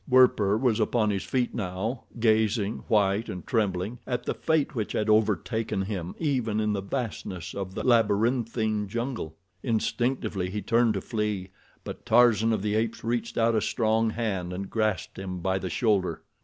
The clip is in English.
Werper was upon his feet now, gazing, white and trembling, at the fate which had overtaken him even in the fastness of the labyrinthine jungle. Instinctively he turned to flee; but Tarzan of the Apes reached out a strong hand and grasped him by the shoulder.